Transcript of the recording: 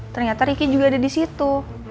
ternyata riki juga ada disitu